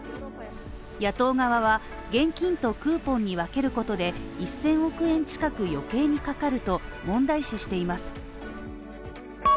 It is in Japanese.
野党側は現金とクーポンに分けることで、１０００億円近く余計にかかると問題視しています。